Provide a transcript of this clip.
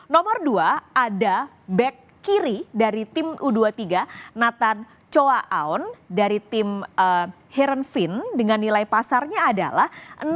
nomor dua ada back kiri dari tim u dua puluh tiga nathan choa aun dari tim heran fin dengan nilai pasarnya adalah